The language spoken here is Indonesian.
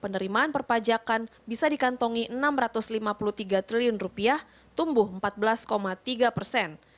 penerimaan perpajakan bisa dikantongi rp enam ratus lima puluh tiga triliun tumbuh empat belas tiga persen